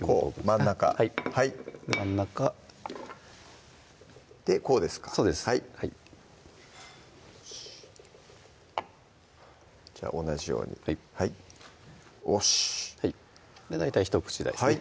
真ん中はい真ん中でこうですかそうです同じようにはいおしっ大体一口大ですね